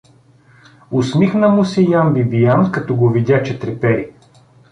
Усмихна му се Ян Бибиян, като го видя, че трепери.